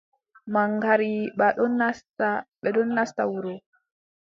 Maŋgariiba ɗon nasta, ɓe ɗon nasta wuro.